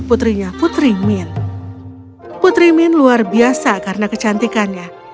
putri min luar biasa karena kecantikannya